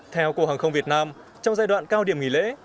theo cục hàng không việt nam trong giai đoạn cao điểm nghỉ lễ